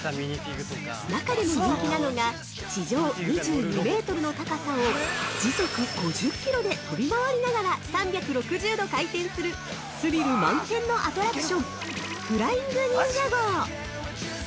中でも人気なのが地上２２メートルの高さを時速５０キロで飛び回りながら３６０度回転するスリル満点のアトラクションフライング・ニンジャゴー！